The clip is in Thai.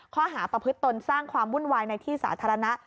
ข้อหาประพฤติตนสร้างความวุ่นวายในที่สาธารณะ